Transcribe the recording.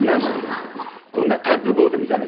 こんなタグボートみたいな顔してる。